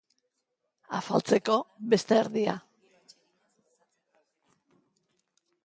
Afaltzeko, beste erdia.